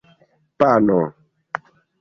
pano